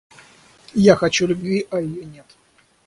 Я хочу любви, а ее нет.